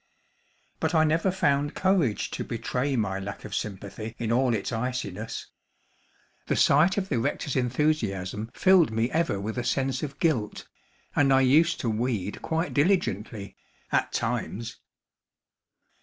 But I never found courage to betray my lack of sympathy in all its iciness. The sight of the rector's enthusiasm filled me ever with a sense of guilt, and I used to weed quite diligently, at times.